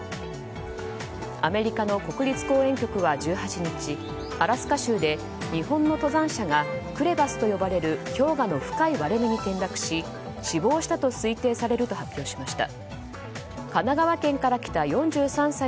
アメリカの国立公園局は１８日アラスカ州で日本の登山者がクレバスと呼ばれる氷河の深い割れ目に転落し死亡したと推定されると発表しました。